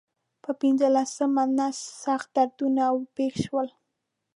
پر پنځلسمه نس سخت دردونه پېښ شول.